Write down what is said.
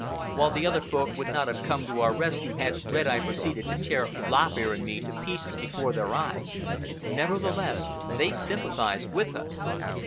While the other Folk would not have come to our rescue had Red Eye proceeded to tear Lop Ear and me to pieces before their eyes, nevertheless they sympathized with us.